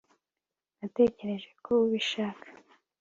natekereje ko ubishaka